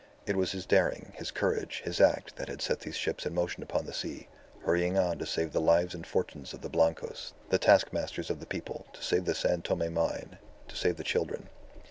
It was his daring, his courage, his act that had set these ships in motion upon the sea, hurrying on to save the lives and fortunes of the Blancos, the taskmasters of the people; to save the San Tome mine; to save the children.